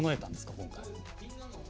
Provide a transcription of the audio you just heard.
今回。